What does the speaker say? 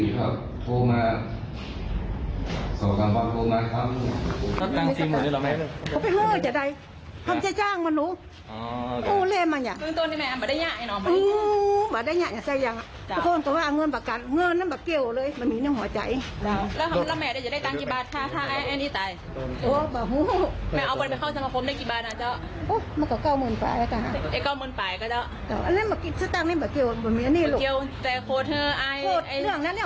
ก็ทำความผิดฐานค่าผู้อื่นโดยไตรตรองไว้ก่อน